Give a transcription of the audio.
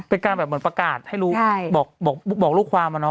เป็นการแบบประกาศให้รู้บอกลูกความอ่ะเนอะบ้าง